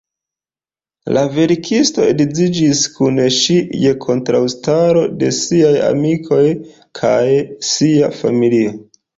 La verkisto edziĝis kun ŝi je kontraŭstaro de siaj amikoj kaj sia familio.